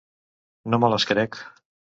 No me les crec.